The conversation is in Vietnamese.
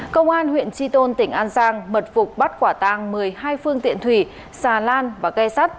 công an huyện tri tôn tỉnh an giang mật phục bắt quả tang một mươi hai phương tiện thủy xà lan và ghe sắt